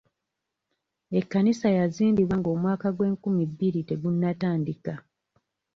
Ekkanisa yazimbibwa ng'omwaka gw'enkumi bbiri tegunatandika.